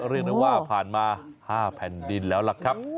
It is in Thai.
เรียกได้ว่าผ่านมา๕แผ่นดินแล้วล่ะครับ